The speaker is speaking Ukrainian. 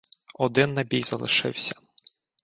— Один набій залишився.